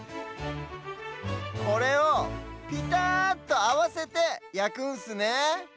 これをぴたっとあわせてやくんすねえ。